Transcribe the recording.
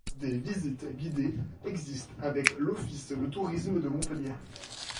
Des visites guidées existent avec l’Office du tourisme de Montpellier.